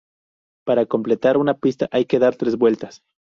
Para completar una pista hay que dar tres vueltas.